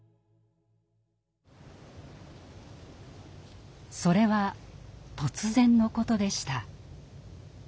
それは突然のことでした。